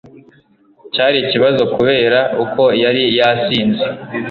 cyarikibazo kubera uko yari yasinze